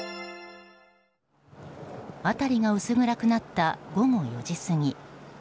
辺りが薄暗くなった午後４時過ぎ。